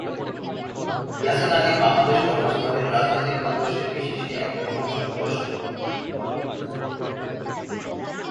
Yasin Ali Bangladesh workers পার্টির রাজনৈতিক আদর্শে বিশ্বাসী একজন সংসদ সদস্য।